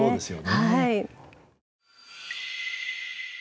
はい。